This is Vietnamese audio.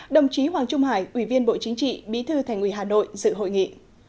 đồng chí hoàng trung hải ủy viên bộ chính trị bí thư thành ủy hà nội dự hội nghị